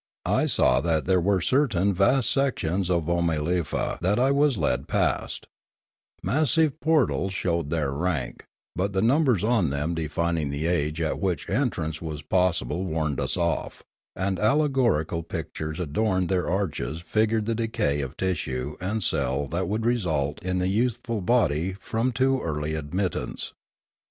I saw that there were certain vast sections of Oomalefa that I was led past; massive portals showed their rank, but the num ber on them defining the age at which entrance was possible warned us off, and allegorical pictures adorn ing their arches figured the decay of tissue and cell that would result in the youthful body from too early ad mittance.